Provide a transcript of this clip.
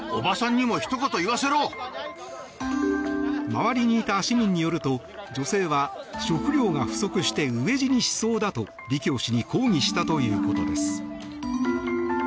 周りにいた市民によると女性は食料が不足して飢え死にしそうだとリ・キョウ氏に抗議したということです。